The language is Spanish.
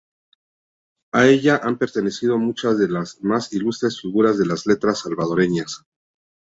A ella han pertenecido muchas de las más ilustres figuras de las letras salvadoreñas.